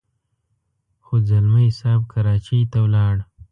خو ځلمی صاحب کراچۍ ته ولاړ.